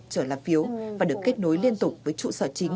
chở lá phiếu và được kết nối liên tục với trụ sở chính